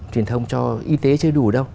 truyền thông cho y tế chưa đủ đâu